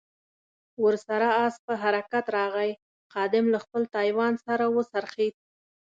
ور سره آس په حرکت راغی، خادم له خپل سایوان سره و څرخېد.